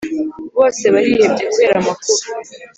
bose barihebye kubera amakuba